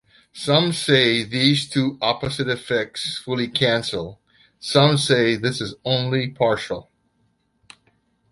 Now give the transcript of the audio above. Some say these two opposite effects fully cancel, some say this is only partial.